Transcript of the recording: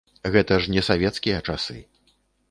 Гэта ж не савецкія часы.